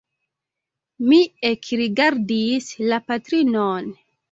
Mi ekrigardis la patrinon.